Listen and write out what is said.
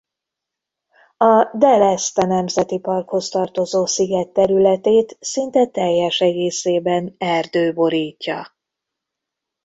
A Del Este Nemzeti Parkhoz tartozó sziget területét szinte teljes egészében erdő borítja.